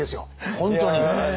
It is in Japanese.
本当に。